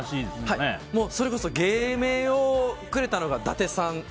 それこそ芸名をくれたのが伊達さん。